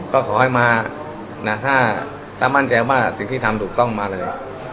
ก็ขอให้มานะถ้ามั่นใจว่าสิ่งที่ทำถูกต้องมาเลย